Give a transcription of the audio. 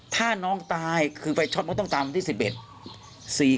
ถ้าน้องตายคือไฟช็อตมก็ต้องตามวันที่๑๑